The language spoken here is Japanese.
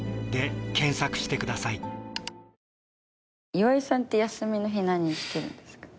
岩井さんって休みの日何してるんですか？